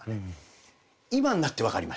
今になって分かりました。